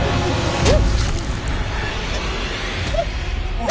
・・おい。